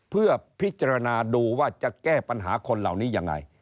เพื่อพิจารณาดูว่าจะแก้ปัญหาคนเหล่านี้ยังไง